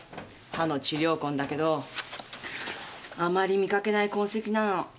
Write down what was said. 歯の治療痕だけどあまり見かけない痕跡なの。